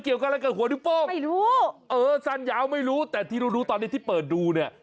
เกี่ยวกับอะไรกันหัวนิ้วโป้งไม่รู้สั้นยาวไม่รู้แต่ที่เราดูตอนที่เปิดดูนี่